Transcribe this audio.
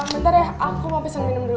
bentar ya aku mau pisang minum dulu